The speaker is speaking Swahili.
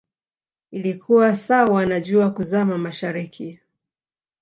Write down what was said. ilikuwa sawa na jua kuzama mashariki